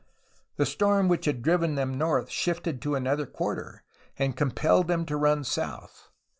The storm which had driven them north shifted to another quarter, and compelled them to run south.